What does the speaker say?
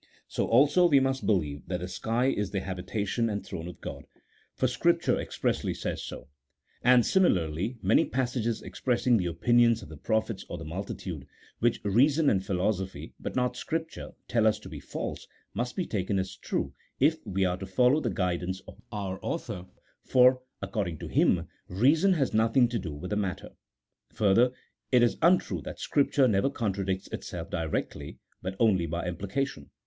So also we must believe that the sky is the habitation and throne of God, for Scripture expressly says so ; and simi larly many passages expressing the opinions of the prophets or the multitude, which reason and philosophy, but not Scripture, tell us to be false, must be taken as true if we are to follow the guidance of our author, for according to him, reason has nothing to do with the matter. Further, it is untrue that Scripture never contradicts itself directly, but only by implication.